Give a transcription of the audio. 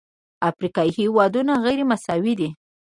افریقایي هېوادونه غیرمساوي دي.